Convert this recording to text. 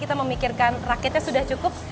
kita memikirkan rakitnya sudah cukup